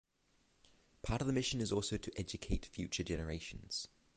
Part of the mission is also to educate future generations.